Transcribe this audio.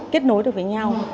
kết nối được với nhau